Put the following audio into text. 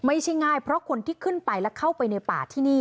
ไม่ใช่ง่ายเพราะคนที่ขึ้นไปและเข้าไปในป่าที่นี่